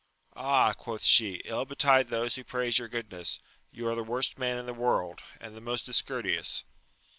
Ah, quoth she, ill betide those who praise your goodness ! you are the worst man in the world, and the most discourteous